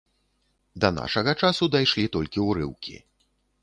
Да нашага часу дайшлі толькі ўрыўкі.